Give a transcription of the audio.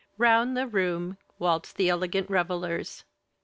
Round the room waltzed the elegant revelers.